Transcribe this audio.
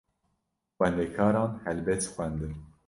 Xwendekaran helbest xwendin.